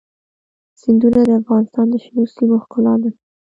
سیندونه د افغانستان د شنو سیمو ښکلا ده.